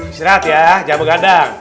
istirahat yaa jamu gandang